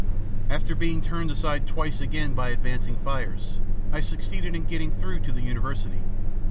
"After being turned aside twice again by advancing fires, I succeeded in getting through to the university.